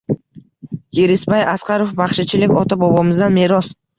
Yerisbay Asqarov: Baxshichilik ota-bobomizdan meros